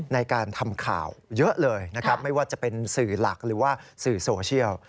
ในการทำข่าวเยอะเลยนะครับไม่ว่าจะเป็นสื่อหลักหรือว่าสื่อโซเชียล